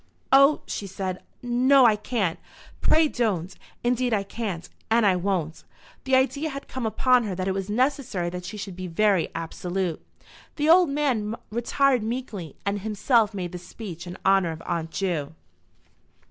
"Oh," she said; "no, I can't. Pray don't. Indeed I can't, and I won't." The idea had come upon her that it was necessary that she should be very absolute. The old man retired meekly, and himself made the speech in honour of Aunt Ju.